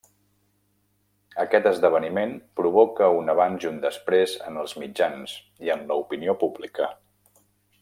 Aquest esdeveniment provoca un abans i un després en els mitjans i en l'opinió pública.